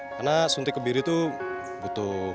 karena suntik kebiri itu butuh